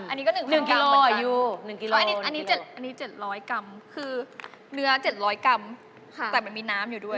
อันนี้๗๐๐กรัมคือเนื้อ๗๐๐กรัมแต่มันมีน้ำอยู่ด้วย